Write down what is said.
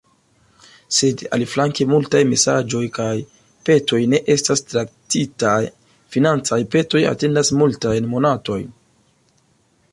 Sed aliflanke multaj mesaĝoj kaj petoj ne estas traktitaj, financaj petoj atendas multajn monatojn.